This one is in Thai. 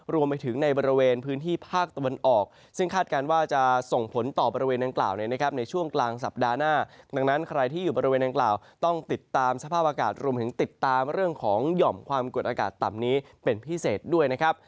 รวมถึงติดตามเรื่องของหย่อมความกดอากาศต่ำนี้เป็นพิเศษด้วยนะครับ